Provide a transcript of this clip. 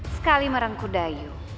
sekali merangkul dayu